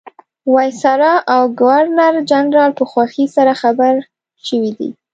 وایسرا او ګورنرجنرال په خوښۍ سره خبر شوي دي.